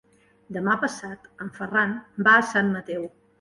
Demà passat en Ferran va a Sant Mateu.